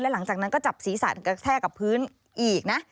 หลังจากนั้นก็จับศีรษะกระแทกกับพื้นอีกนะ